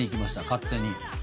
勝手に。